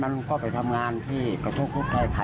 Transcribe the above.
มันก็ไปทำงานที่มันก็เลยมา